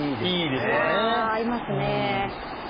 いや合いますね。